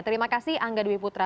terima kasih angga dwi putra